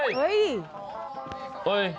ด้วย